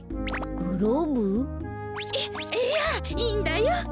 いいやいいんだよ。